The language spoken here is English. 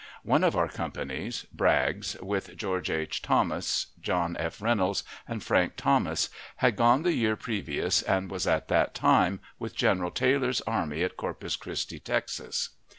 One of our companies (Bragg's), with George H. Thomas, John F. Reynolds, and Frank Thomas, had gone the year previous and was at that time with General Taylor's army at Corpus Christi, Texas.